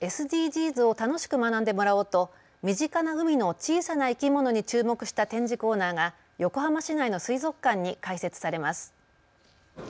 ・ＳＤＧｓを楽しく学んでもらおうと身近な海の小さな生き物に注目した展示コーナーが横浜市内の水族館に開設されます。